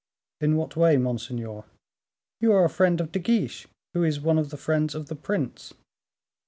"In what way, monseigneur?" "You are a friend of De Guiche, who is one of the friends of the prince."